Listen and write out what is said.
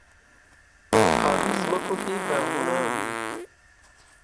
په ابی ځمکو کې باغونه وي.